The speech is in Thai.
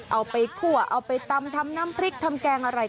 เอาไปคั่วเอาไปตำทำน้ำพริกทำแกงอะไร